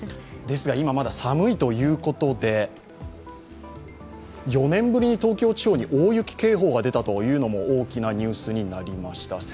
ですが、今、まだ寒いということで４年ぶりに東京地方に大雪警報が出たというのも大きなニュースになりました。